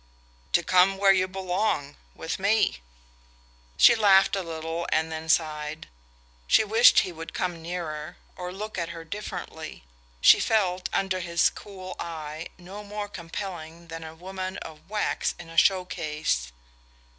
"To come where you belong: with me." She laughed a little and then sighed. She wished he would come nearer, or look at her differently: she felt, under his cool eye, no more compelling than a woman of wax in a show case.